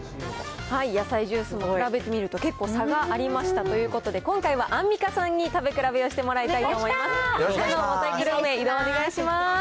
野菜ジュースも比べてみると、結構差がありました、ということで、今回はアンミカさんに食べ比やった！